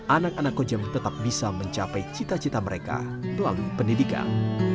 anak anak kojem tetap bisa mencapai cita cita mereka melalui pendidikan